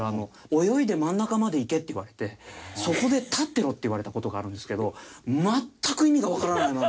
「泳いで真ん中まで行け」って言われて「そこで立ってろ」って言われた事があるんですけど全く意味がわからないまま。